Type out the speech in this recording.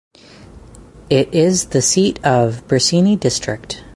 It is the seat of Briceni District.